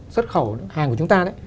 xuất khẩu hàng của chúng ta